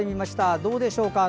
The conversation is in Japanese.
どうでしょうか。